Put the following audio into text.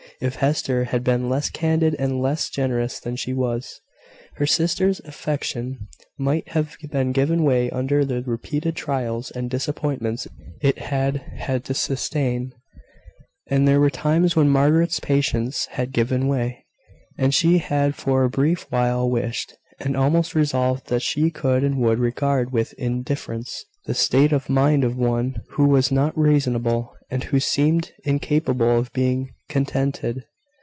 If Hester had been less candid and less generous than she was, her sister's affection might have given way under the repeated trials and disappointments it had had to sustain; and there were times when Margaret's patience had given way, and she had for a brief while wished, and almost resolved, that she could and would regard with indifference the state of mind of one who was not reasonable, and who seemed incapable of being contented.